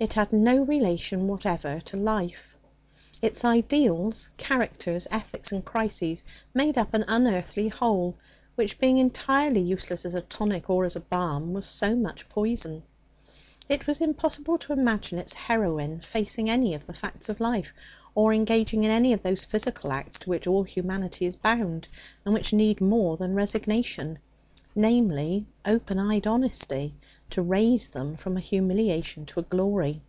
It had no relation whatever to life. Its ideals, characters, ethics and crises made up an unearthly whole, which, being entirely useless as a tonic or as a balm, was so much poison. It was impossible to imagine its heroine facing any of the facts of life, or engaging in any of those physical acts to which all humanity is bound, and which need more than resignation namely, open eyed honesty to raise them from a humiliation to a glory.